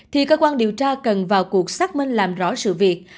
thì cơ quan điều tra cần vào cuộc xác minh làm rõ sự việc